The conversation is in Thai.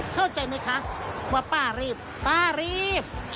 เข้าใจไหมคะว่าป้ารีบป้ารีบ